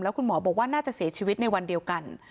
คุณหมอบอกว่าน่าจะเสียชีวิตในวันเดียวกัน